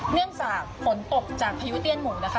เนื่องจากฝนตกจากพายุเตี้ยนหมุนนะคะ